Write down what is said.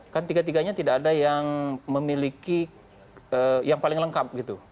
kan tiga tiganya tidak ada yang memiliki yang paling lengkap gitu